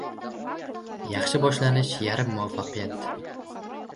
• Yaxshi boshlanish — yarim muvaffaqiyat.